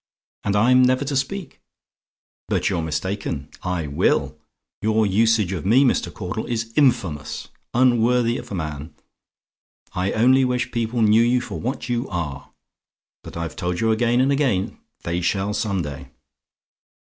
and I'm never to speak! But you're mistaken I will. Your usage of me, Mr. Caudle, is infamous unworthy of a man. I only wish people knew you for what you are; but I've told you again and again they shall some day.